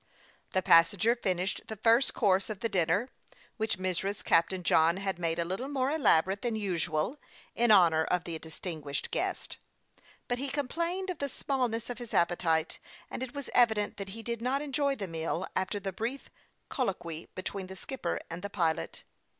The passenger finished the first course of the dinner, which Mrs. Captain John had made a little more elaborate than usual, in honor of the distin guished guest ; but he complained of the smallness of his appetite, and it was evident that he did not enjoy the meal after the brief colloquy between the skipper and the pilot.